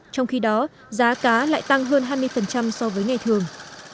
trong khi đó giá cá lại tăng hơn hai mươi so với ngày thường